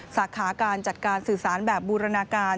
สาขาการจัดการสื่อสารแบบบูรณาการ